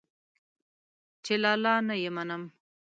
چې لالا نه يې منم.